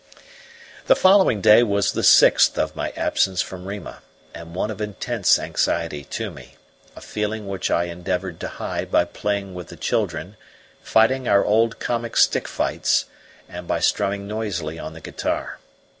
The following day was the sixth of my absence from Rima, and one of intense anxiety to me, a feeling which I endeavoured to hide by playing with the children, fighting our old comic stick fights, and by strumming noisily on the guitar.